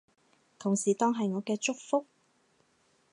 同時當係我嘅祝福